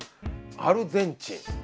アルゼンチン。